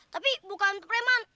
tapi bukan pereman